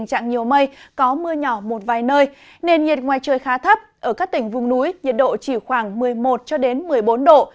nền nhiệt ngoài trời khá thấp ở các tỉnh vùng núi nhiệt độ chỉ khoảng một mươi một một mươi bốn độ